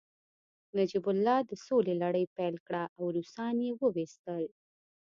نجیب الله د سولې لړۍ پیل کړه او روسان يې وويستل